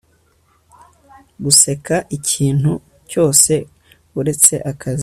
guseka ikintu cyose uretse akazi